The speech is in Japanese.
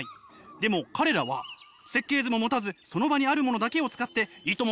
でも彼らは設計図も持たずその場にあるものだけを使っていとも